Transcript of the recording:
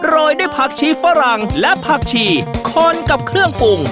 ยด้วยผักชีฝรั่งและผักชีคนกับเครื่องปรุง